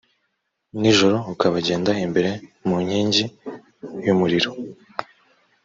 nijoro ukabagenda imbere mu nkingi y umuriro